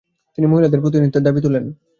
তিনি মহিলাদের প্রতিনিধিত্বের দাবি তোলেন।